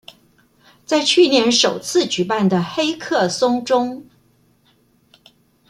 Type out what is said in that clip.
在去年首次舉辦的黑客松中